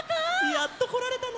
やっとこられたね！